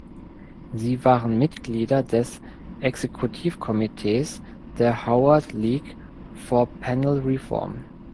Sie waren Mitglieder des Exekutivkomitees der Howard League for Penal Reform.